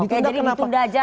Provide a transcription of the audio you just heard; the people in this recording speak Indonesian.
oke jadi ditunda saja